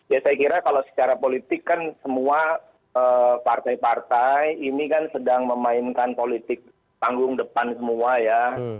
ya saya kira kalau secara politik kan semua partai partai ini kan sedang memainkan politik panggung depan semua ya